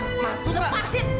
nggak mau lepasin